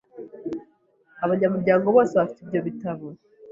Abanyamuryango bose bafite ibyo bitabo.